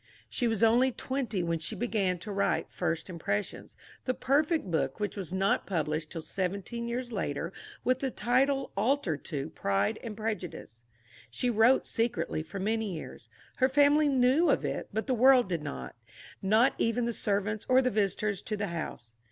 She was only twenty when she began to write First Impressions, the perfect book which was not published till seventeen years later with the title altered to Pride and Prejudice. She wrote secretly for many years. Her family knew of it, but the world did not not even the servants or the visitors to the house.